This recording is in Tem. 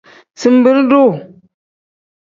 Zinbiri-duu.